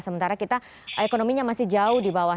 sementara kita ekonominya masih jauh di bawah